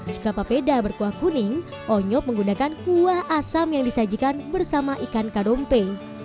jika papeda berkuah kuning onyok menggunakan kuah asam yang disajikan bersama ikan kadompe